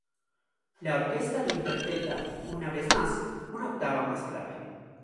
La orquesta lo interpreta una vez más, una octava más grave.